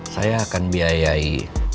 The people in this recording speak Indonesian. saya akan biayai